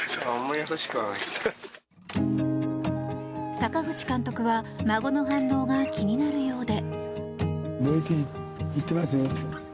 阪口監督は孫の反応が気になるようで。